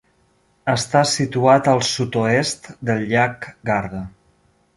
Està situat al sud-oest del llac Garda.